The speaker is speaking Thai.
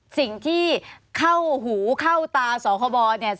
สิ่งที่เข้าหูเข้าตาสคบเนี่ย